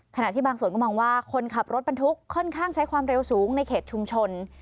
ขณะที่บางส่วนก็มองว่าคนขับรถบรรทุกค่อนข้างใช้ความเร็วสูงในเขตชุมชน